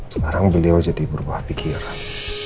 sekarang beliau jadi berubah pikiran